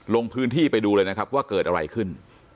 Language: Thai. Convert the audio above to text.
ลงพื้นที่ไปดูเลยนะครับว่าเกิดอะไรขึ้น